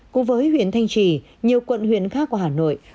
cùng với huyện thanh trì nhiều quận huyện khác của hà nội